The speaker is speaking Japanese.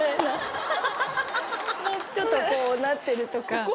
もうちょっとこうなってるとか。